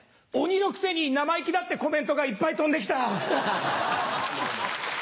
「鬼のくせに生意気だ」ってコメントがいっぱい飛んで来た！